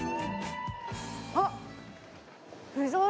あっ！